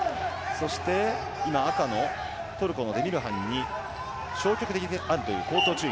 そして今赤のトルコのデミルハンに消極的という口頭注意